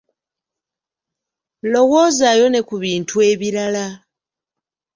Lowoozaayo ne ku bintu ebirala.